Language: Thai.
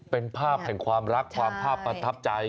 เป็นภาพแห่งความรักความภาพประทับใจ